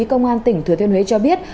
công an tỉnh thừa thiên huế cho biết